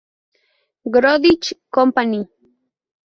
Goodrich Company.